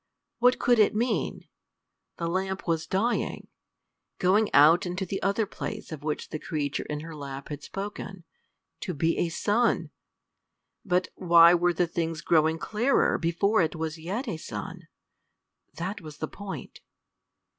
What could it mean? The lamp was dying going out into the other place of which the creature in her lap had spoken, to be a sun! But why were the things growing clearer before it was yet a sun? That was the point.